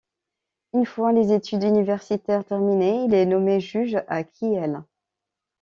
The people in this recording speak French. Une fois les études universitaires terminées, il est nommé juge à Kiel.